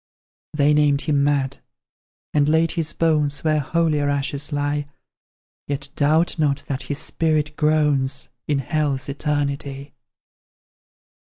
They named him mad, and laid his bones Where holier ashes lie; Yet doubt not that his spirit groans In hell's eternity.